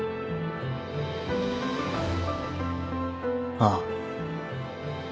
ああ。